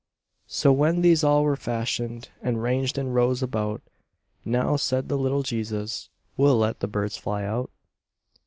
So, when these all were fashioned, And ranged in rows about, "Now," said the little Jesus, "We'll let the birds fly out."